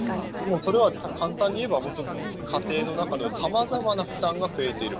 これは簡単に言えば家庭の中のさまざまな負担が増えている。